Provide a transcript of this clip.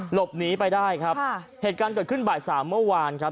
หลบหนีไปได้ครับค่ะเหตุการณ์เกิดขึ้นบ่ายสามเมื่อวานครับ